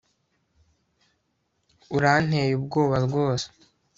Uranteye ubwoba rwose